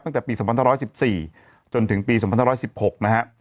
ตั้งแต่ปี๒๕๑๔จนถึงปี๒๕๑๖นะฮะ